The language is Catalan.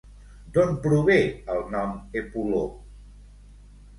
D'on prové el nom Epuló?